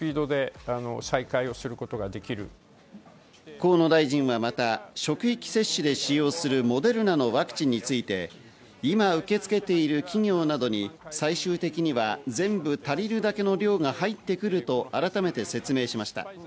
河野大臣はまた職域接種で使用するモデルナのワクチンについて、今、受け付けている企業などに最終的には全部足りるだけの量が入ってくると改めて説明しました。